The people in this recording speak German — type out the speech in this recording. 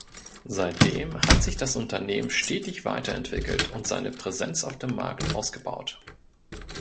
Seitdem hat sich das Unternehmen stetig weiterentwickelt und seine Präsenz auf dem Markt ausgebaut.